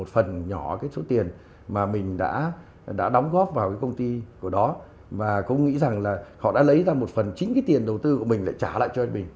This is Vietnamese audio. và cũng nghĩ rằng là họ đã lấy ra một phần chính cái tiền đầu tư của mình lại trả lại cho anh bình